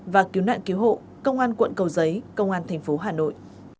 và cứu nạn cứu hộ công an quận cầu giấy công an tp hà nội